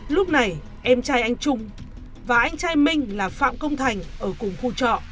lúc này em trai anh trung và anh trai minh là phạm công thành ở cùng khu trọ